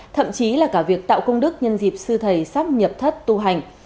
thậm chí là cả việc tạo công đức nhân dịp sư thầy sắp nhập thất tu hành